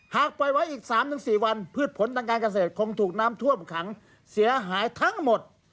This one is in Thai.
ปล่อยไว้อีก๓๔วันพืชผลทางการเกษตรคงถูกน้ำท่วมขังเสียหายทั้งหมด